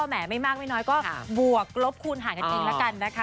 แหมไม่มากไม่น้อยก็บวกลบคุณหานะจริง